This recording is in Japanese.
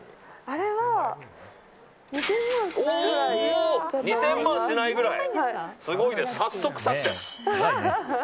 あれは２０００万しないぐらい。